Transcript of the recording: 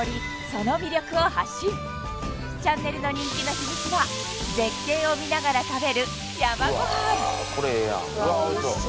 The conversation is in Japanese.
その魅力を発信チャンネルの人気の秘密は絶景を見ながら食べる山ごはん